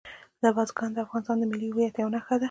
بزګان د افغانستان د ملي هویت یوه نښه ده.